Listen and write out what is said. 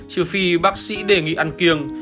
trừ phi bác sĩ đề nghị ăn kiêng